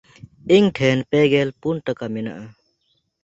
ᱤᱧ ᱴᱷᱮᱱ ᱯᱮᱜᱮᱞ ᱯᱩᱱ ᱴᱟᱠᱟ ᱢᱮᱱᱟᱜᱼᱟ᱾